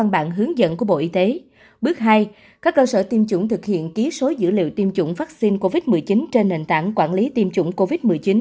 bước hai các cơ sở tiêm chủng thực hiện ký số dữ liệu tiêm chủng vaccine covid một mươi chín trên nền tảng quản lý tiêm chủng covid một mươi chín